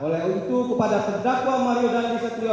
oleh untuk kepada terdakwa mario dandi setrio